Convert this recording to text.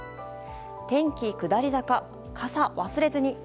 天気下り坂、傘忘れずに。